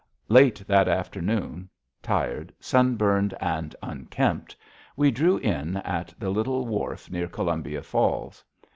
Late that afternoon, tired, sunburned, and unkempt, we drew in at the little wharf near Columbia Falls.